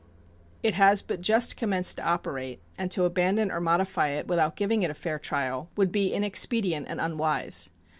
It has but just commenced to operate, and to abandon or modify it without giving it a fair trial would be inexpedient and unwise.